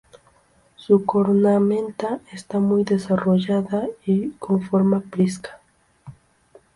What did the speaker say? Su cornamenta está muy desarrollada y con forma prisca.